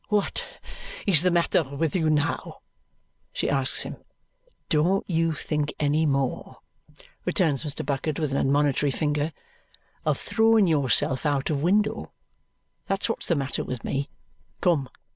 "What is the matter with you now?" she asks him. "Don't you think any more," returns Mr. Bucket with admonitory finger, "of throwing yourself out of window. That's what's the matter with me. Come!